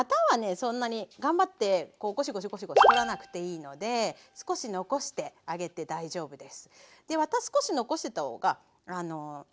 そんなに頑張ってゴシゴシゴシゴシ取らなくていいので少し残してあげて大丈夫です。